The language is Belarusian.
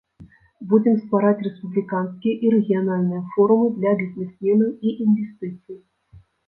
Будзем ствараць рэспубліканскія і рэгіянальныя форумы для бізнесменаў і інвестыцый.